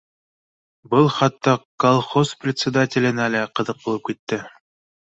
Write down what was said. Был хатта колхоз председателенә лә ҡыҙыҡ булып китте